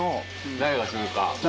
誰がするか。